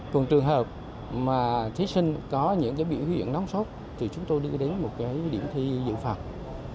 còn trường hợp mà thí sinh có những cái bị huyện nóng sốt thì chúng tôi đưa đến một cái điểm thi dự phòng